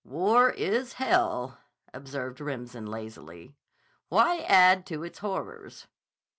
"War is hell," observed Remsen lazily. "Why add to its horrors?"